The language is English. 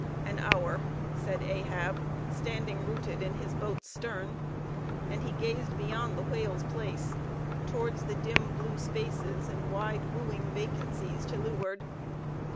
"An hour," said Ahab, standing rooted in his boat's stern; and he gazed beyond the whale's place, towards the dim blue spaces and wide wooing vacancies to leeward.